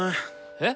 えっ？